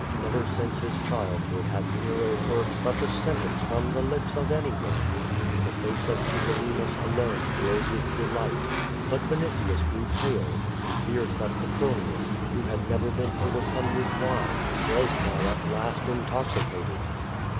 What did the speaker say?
Never since his childhood liad Nero heard sucli a sentence from the lips of any one. The face of Tigellinus alone glowed with 294 ^^'^^ TM/)/>Sf. delight. Jiut A'initius grew pale, lie feared th'^t Petrouius, who had never been overcome with wine, was now at last in toxicated.